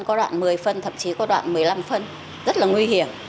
có đoạn một mươi phân thậm chí có đoạn một mươi năm phân rất là nguy hiểm